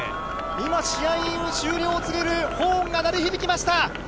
今、試合終了を告げるホーンが鳴り響きました。